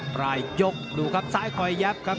ปลายยกดูครับซ้ายคอยยับครับ